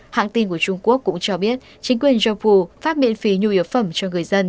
hãng tin của trung quốc cũng cho biết chính quyền joe phát miễn phí nhu yếu phẩm cho người dân